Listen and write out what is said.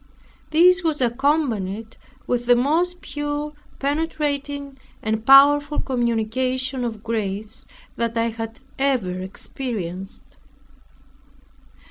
This was accompanied with the most pure, penetrating, and powerful communication of grace that I had ever experienced.